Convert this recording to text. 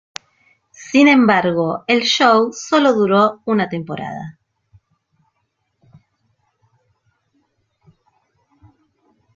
Sin embargo, el show sólo duró una temporada.